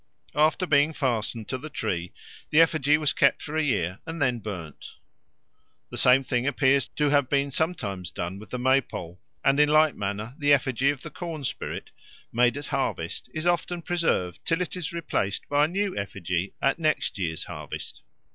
After being fastened to the tree, the effigy was kept for a year and then burned. The same thing appears to have been sometimes done with the May pole; and in like manner the effigy of the corn spirit, made at harvest, is often preserved till it is replaced by a new effigy at next year's harvest.